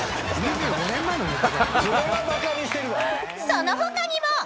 ［その他にも］